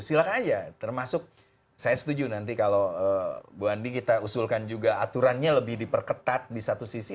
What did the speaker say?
silakan aja termasuk saya setuju nanti kalau bu andi kita usulkan juga aturannya lebih diperketat di satu sisi